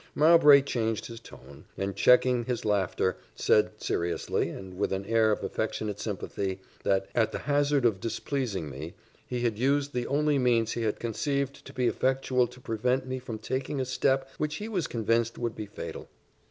Mowbray changed his tone, and checking his laughter, said seriously, and with an air of affectionate sympathy, that, at the hazard of displeasing me, he had used the only means he had conceived to be effectual to prevent me from taking a step which he was convinced would be fatal.